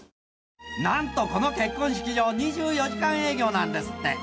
なんとこの結婚式場２４時間営業なんですって。